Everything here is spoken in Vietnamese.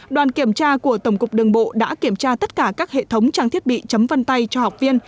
đoàn kiểm tra của tổng cục đường bộ đã kiểm tra tất cả các hệ thống trang thiết bị chấm vân tay cho học viên